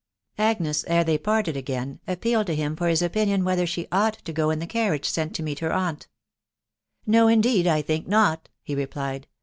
Agnes, ere they parted again, appealed to him for bis opinion whether she ought to go in the carriage sent to meet her aunt. " No, indeed, I think not," he replied.